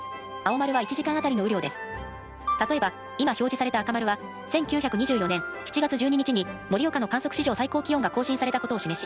例えば今表示された赤丸は１９２４年７月１２日に盛岡の観測史上最高気温が更新されたことを示し